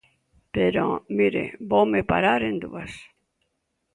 Pero, mire, voume parar en dúas.